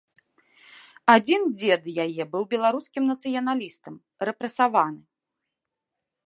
Адзін дзед яе быў беларускім нацыяналістам, рэпрэсаваны.